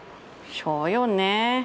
そうよね。